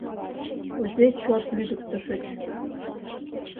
— Кузе чот лӱдыктышыч!»